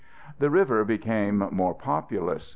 The river became more populous.